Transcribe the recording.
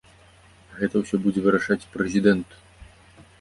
Гэта ўсё будзе вырашаць прэзідэнт.